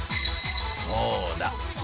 そうだ！